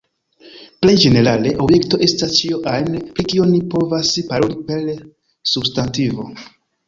Plej ĝenerale, objekto estas ĉio ajn, pri kio ni povas paroli per substantivo.